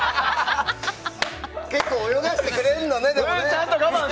結構、泳がしてくれるのね。